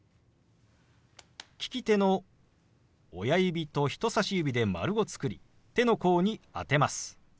利き手の親指と人さし指で丸を作り手の甲に当てます。